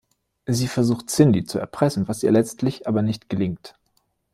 Sie versucht Cindy zu erpressen, was ihr letztlich aber nicht gelingt.